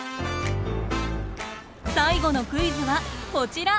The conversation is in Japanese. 最後のクイズはこちら。